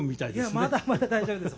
いやまだまだ大丈夫です。